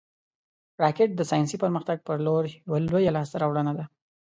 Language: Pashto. راکټ د ساینسي پرمختګ پر لور یوه لویه لاسته راوړنه ده